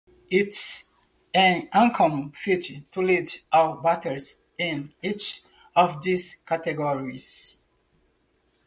It is an uncommon feat to lead all batters in each of these categories.